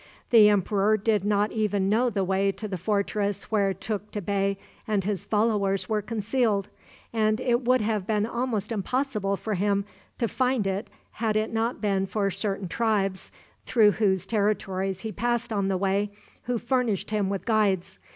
The emperor did not even know the way to the fortress where Tukta Bey and his followers were concealed, and it would have been almost impossible for him to find it had it not been for certain tribes, through whose territories he passed on the way, who furnished him with guides.